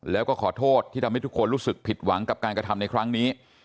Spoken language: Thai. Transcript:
แล้วก็ขอโทษที่ทำให้ทุกคนรู้สึกผิดหวังกับการกระทำในครั้งนี้